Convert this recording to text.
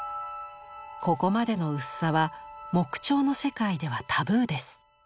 ここまでの薄さは木彫の世界ではタブーです。